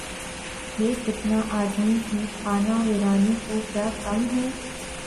یہ فتنہ‘ آدمی کی خانہ ویرانی کو کیا کم ہے؟